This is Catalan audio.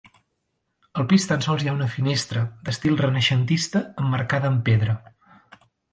Al pis tan sols hi ha una finestra, d'estil renaixentista, emmarcada amb pedra.